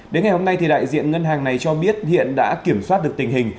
đến ngày hôm nay đại diện ngân hàng này cho biết hiện đã kiểm soát được tình hình